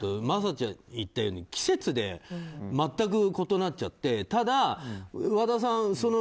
真麻ちゃんが言ったように季節で全く異なっちゃってただ、和田さん。